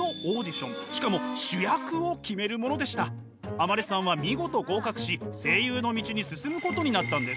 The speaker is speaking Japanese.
天希さんは見事合格し声優の道に進むことになったんです。